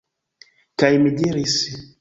Kaj mi diris: